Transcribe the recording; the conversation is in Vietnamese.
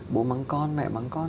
bố mắng con mẹ mắng con